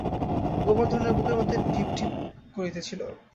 গোবর্ধনের বুকের মধ্যে টিপচিপ করিতেছিল।